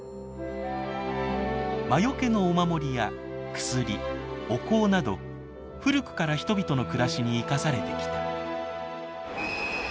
魔よけのお守りや薬お香など古くから人々の暮らしに生かされてきた。